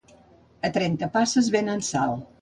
A Trenta passes venen sal